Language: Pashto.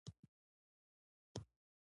مدني برابري د رایې ورکولو حق تضمینوي.